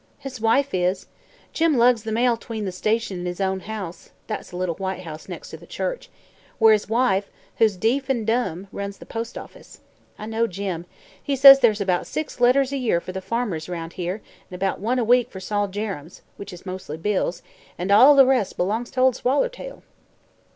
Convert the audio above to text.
"His wife is. Jim lugs the mail 'tween the station an' his own house that's the little white house next the church where his wife, who's deef 'n' dumb, runs the postoffice. I know Jim. He says there's 'bout six letters a year for the farmers 'round here, an' 'bout one a week for Sol Jerrems which is mostly bills an' all the rest belongs to Ol' Swallertail."